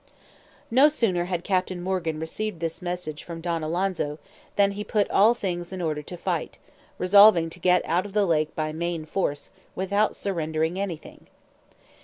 No sooner had Captain Morgan received this message from Don Alonso, than he put all things in order to fight, resolving to get out of the lake by main force, without surrendering anything.